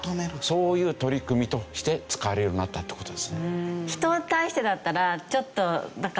そういう取り組みとして使われるようになったって事ですね。